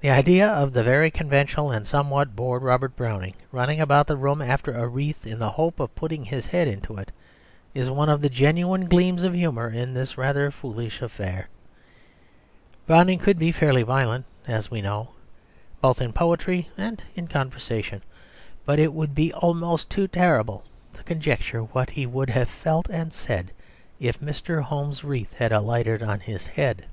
The idea of the very conventional and somewhat bored Robert Browning running about the room after a wreath in the hope of putting his head into it, is one of the genuine gleams of humour in this rather foolish affair. Browning could be fairly violent, as we know, both in poetry and conversation; but it would be almost too terrible to conjecture what he would have felt and said if Mr. Home's wreath had alighted on his head.